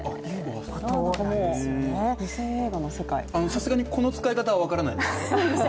さすがにこの使い方は分からないです。